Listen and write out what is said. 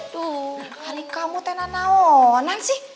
aduh hari kamu tena naonan sih